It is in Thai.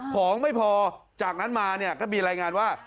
ของไม่พอจากนั้นมาเนี่ยก็มีรายงานว่า